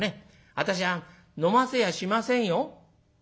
私は飲ませやしませんよ」。